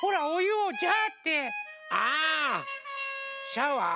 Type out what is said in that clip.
シャワー？